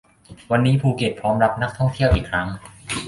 วันนี้ภูเก็ตพร้อมรับนักท่องเที่ยวอีกครั้ง